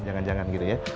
jangan jangan gitu ya